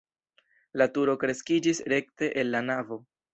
La turo kreskiĝis rekte el la navo.